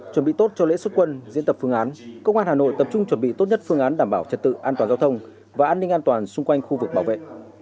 chuẩn bị tốt cho lễ xuất quân diễn tập phương án công an hà nội tập trung chuẩn bị tốt nhất phương án đảm bảo trật tự an toàn giao thông và an ninh an toàn xung quanh khu vực bảo vệ